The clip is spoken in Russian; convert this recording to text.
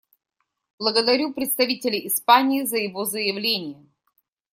Благодарю представителя Испании за его заявление.